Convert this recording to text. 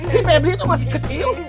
si febri itu masih kecil